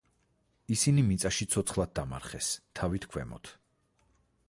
ისინი მიწაში ცოცხლად დამარხეს თავით ქვემოთ.